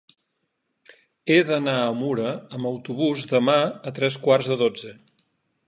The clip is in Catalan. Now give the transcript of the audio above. He d'anar a Mura amb autobús demà a tres quarts de dotze.